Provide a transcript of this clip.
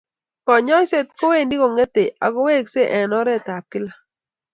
Konyoiset kowendi kongetei akoweksei eng oretab kila